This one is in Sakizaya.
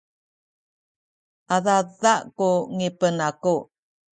adada ku ngipen aku